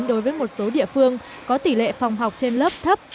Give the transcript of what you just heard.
đối với một số địa phương có tỷ lệ phòng học trên lớp thấp